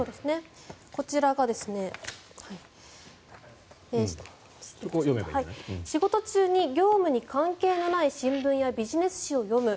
こちらが仕事中に業務に関係のない新聞やビジネス誌を読む。